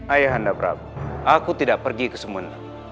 ayah anda prabu aku tidak pergi ke sumunda